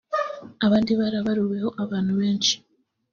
abandi barabaruweho abantu benshi